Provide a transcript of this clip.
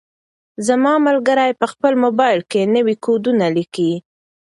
زما ملګری په خپل موبایل کې نوي کوډونه لیکي.